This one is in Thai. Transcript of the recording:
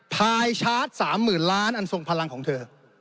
พายชาร์จ๓๐๐๐ล้านอันทรงพลังของเธอ